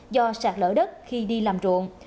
do sạt lỡ đất khi đi làm ruộng